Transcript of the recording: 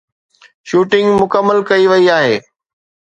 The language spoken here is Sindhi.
شوٽنگ مڪمل ڪئي وئي آهي